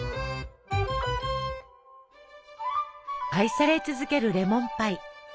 愛され続けるレモンパイ。